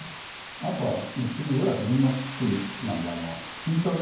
あとは次要は自分のキッチンなんで身長。